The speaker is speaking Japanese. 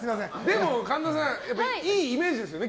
でも神田さんいいイメージですよね。